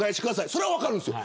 それは分かるんですよ。